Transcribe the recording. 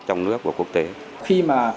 trong nước của quốc tế khi mà